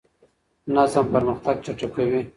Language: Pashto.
نظم پرمختګ چټکوي.